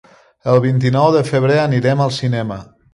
El vint-i-nou de febrer anirem al cinema.